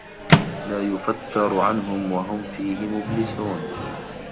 لا يُفَتَّرُ عَنهُم وَهُم فيهِ مُبلِسونَ